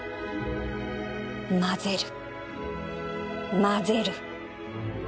混ぜる混ぜる